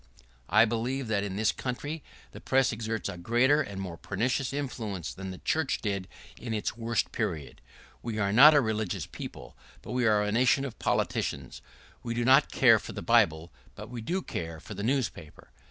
I believe that in this country the press exerts a greater and a more pernicious influence than the church did in its worst period. We are not a religious people, but we are a nation of politicians. We do not care for the Bible, but we do care for the newspaper.